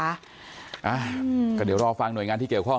อ่ะก็เดี๋ยวรอฟังหน่วยงานที่เกี่ยวข้อง